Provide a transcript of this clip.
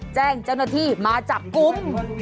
แจ้งเจ้าหน้าที่มาจับกลุ่ม